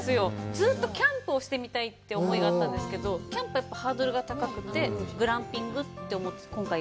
ずうっとキャンプをしてみたいって思いがあったんですけど、キャンプは、やっぱりハードルが高くて、グランピングって思って、今回。